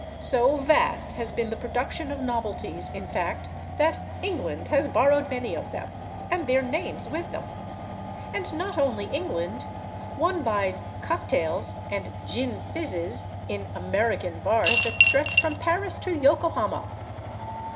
So vast has been the production of novelties, in fact, that England has borrowed many of them, and their names with them. And not only England: one buys /cocktails/ and /gin fizzes/ in "American bars" that stretch from Paris to Yokohama.